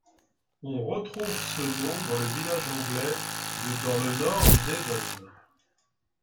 On retrouve ce nom dans le village anglais de dans le Nord du Devon.